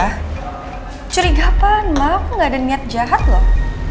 tidak curiga apaan emak aku gak ada niat jahat loh